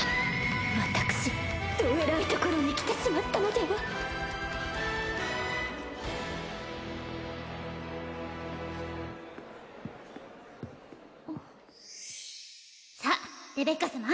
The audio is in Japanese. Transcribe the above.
私ドえらいところに来てしまったのではさっレベッカ様